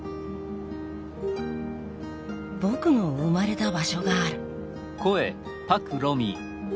僕の生まれた場所がある。